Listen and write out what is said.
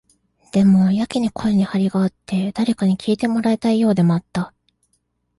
でも、やけに声に張りがあって、誰かに聞いてもらいたいようでもあった。